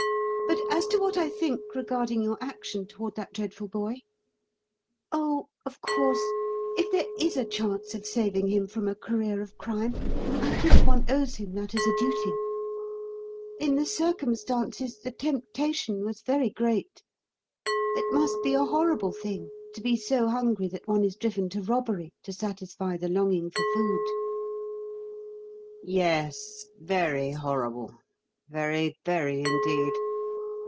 "But as to what I think regarding your action toward that dreadful boy.... Oh, of course, if there is a chance of saving him from a career of crime, I think one owes him that as a duty. In the circumstances, the temptation was very great. It must be a horrible thing to be so hungry that one is driven to robbery to satisfy the longing for food." "Yes, very horrible very, very indeed.